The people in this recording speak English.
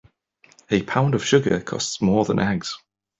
A pound of sugar costs more than eggs.